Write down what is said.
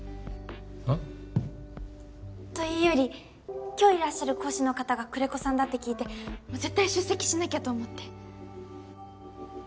ん？というより今日いらっしゃる講師の方が久連木さんだって聞いて絶対出席しなきゃと思って。